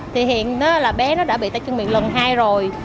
thì hiện là bé nó đã bị tay chân miệng lần hai rồi